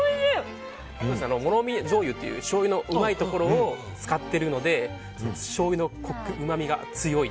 もろみじょうゆっていうしょうゆのうまいところを使っているのでしょうゆのうまみが強い。